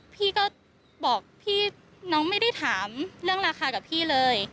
พี่ก็บอกพี่น้องไม่ได้ถามเรื่องราคากับพี่เลย